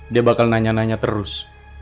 dia bakal nanya nanya terus